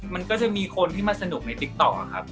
มันก็จะมีคนที่มาสนุกในติ๊กต๊อกครับ